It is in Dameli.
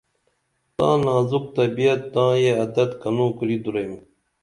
تاں نازک طبیعت تاں یہ عدت کنوں کُری دُریم